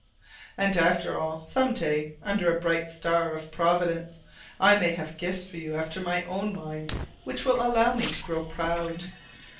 And after all, some day, under a bright star of Providence, I may have gifts for you after my own mind which will allow me to grow proud.